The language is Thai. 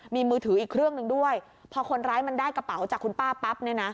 มีมือถืออีกเครื่องหนึ่งด้วยพอคนร้ายมันได้กระเป๋าจากคุณป้าปั๊บเนี่ยนะ